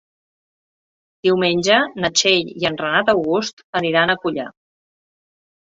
Diumenge na Txell i en Renat August aniran a Culla.